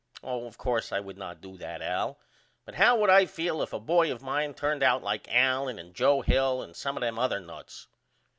Of course I would not do that Al. But how would I feel if a boy of mine turned out like Allen and Joe Hill and some of them other nuts?